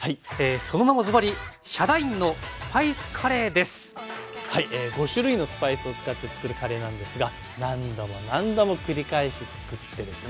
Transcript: その名もずばり５種類のスパイスを使ってつくるカレーなんですが何度も何度も繰り返しつくってですね